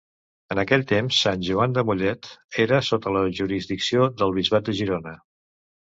En aquell temps, Sant Joan de Mollet era sota la jurisdicció del bisbat de Girona.